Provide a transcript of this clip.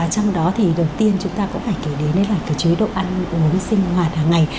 trong đó thì đầu tiên chúng ta cũng phải kể đến là cái chế độ ăn uống sinh hoạt hàng ngày